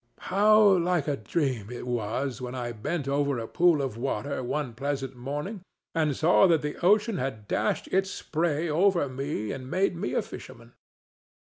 How like a dream it was when I bent over a pool of water one pleasant morning and saw that the ocean had dashed its spray over me and made me a fisherman!